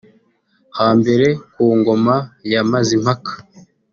Hambere ku ngoma ya Mazimpaka